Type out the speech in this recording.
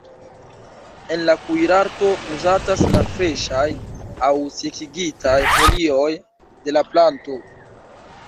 En la kuirarto uzatas la freŝaj aŭ sekigitaj folioj de la planto.